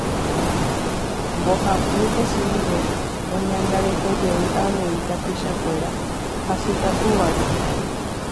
Mbohapy jasy rire oñangarekojey avei tapichakuéra hasykatúvare.